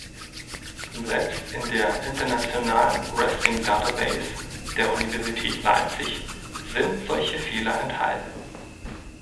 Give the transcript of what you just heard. Selbst in der Internationalen Wrestling Database der Universität Leipzig sind solche Fehler enthalten.